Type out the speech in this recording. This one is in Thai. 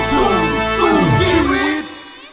รบคุมสู่ชีวิต